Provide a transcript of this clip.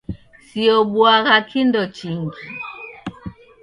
Siobuagha kindo chingi.